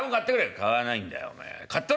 「買わないんだよお前買ったろ？